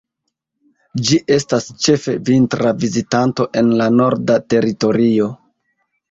Ĝi estas ĉefe vintra vizitanto en la Norda Teritorio.